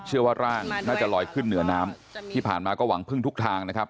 เชื่อว่าร่างน่าจะลอยขึ้นเหนือน้ำที่ผ่านมาก็หวังพึ่งทุกทางนะครับ